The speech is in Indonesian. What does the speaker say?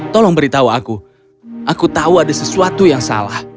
tolong beritahu aku aku tahu ada sesuatu yang salah